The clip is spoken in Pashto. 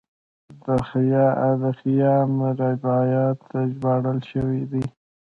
د خیام رباعیات ژباړل شوي دي.